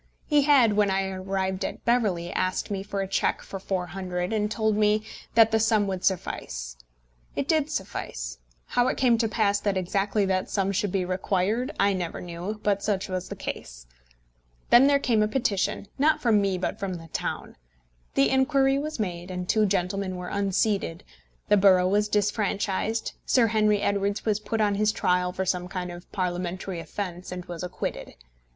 He had, when I arrived at Beverley, asked me for a cheque for £400, and told me that that sum would suffice. It did suffice. How it came to pass that exactly that sum should be required I never knew, but such was the case. Then there came a petition, not from me, but from the town. The inquiry was made, the two gentlemen were unseated, the borough was disfranchised, Sir Henry Edwards was put on his trial for some kind of Parliamentary offence and was acquitted.